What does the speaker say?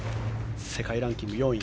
世界ランキング４位。